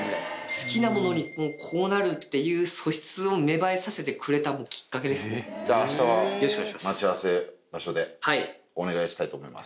好きなものにこうなるっていう素質を芽生えさせてくれたきっかけじゃあ、あしたは待ち合わせ場所でお願いしたいと思います。